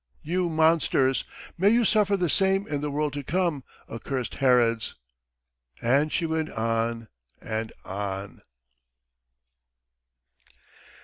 You monsters! May you suffer the same, in the world to come, accursed Herods. ..." And she went on and on.